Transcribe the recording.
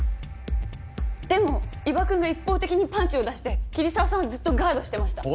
でも伊庭くんが一方的にパンチを出して桐沢さんはずっとガードしてました。